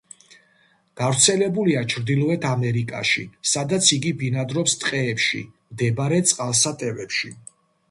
გავრცელებულია ჩრდილოეთ ამერიკაში, სადაც იგი ბინადრობს ტყეებში მდებარე წყალსატევებში.